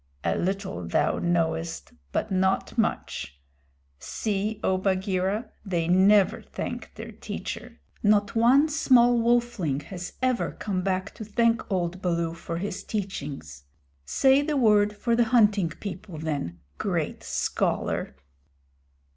"A little thou knowest, but not much. See, O Bagheera, they never thank their teacher. Not one small wolfling has ever come back to thank old Baloo for his teachings. Say the word for the Hunting People, then great scholar."